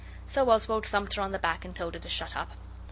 So Oswald thumped her on the back and told her to shut up.